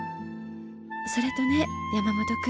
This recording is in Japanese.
それとね山本君。